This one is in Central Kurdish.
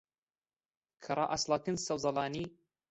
کە ڕائەچڵەکن سەوزەڵانی